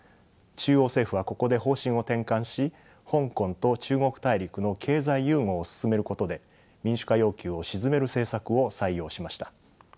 中央政府はここで方針を転換し香港と中国大陸の経済融合を進めることで民主化要求を鎮める政策を採用しました。